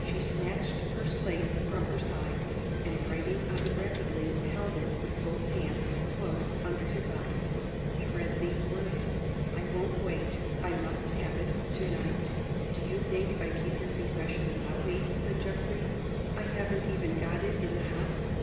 She snatched her slate from her side; and, writing on it rapidly, held it, with both hands, close under his eyes. He read these words: "I won't wait. I must have it to night." "Do you think I keep your Confession about me?" said Geoffrey. "I haven't even got it in the house."